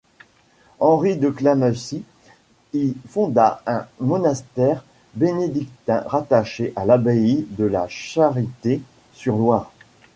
Henri de Clamecy y fonda un monastère bénédictin rattaché à l'abbaye de La Charité-sur-Loire.